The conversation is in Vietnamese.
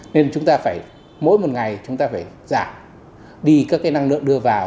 nên chúng ta phải mỗi một ngày chúng ta phải giảm đi các cái năng lượng đưa vào